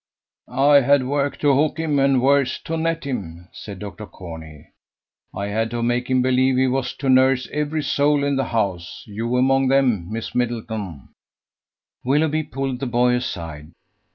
"I had work to hook him and worse to net him," said Dr. Corney. "I had to make him believe he was to nurse every soul in the house, you among them, Miss Middleton." Willoughby pulled the boy aside.